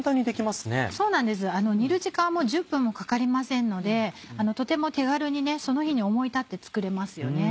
煮る時間も１０分もかかりませんのでとても手軽にその日に思い立って作れますよ。